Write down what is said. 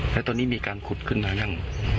แล้วตอนนี้มีการขุดขึ้นมายัง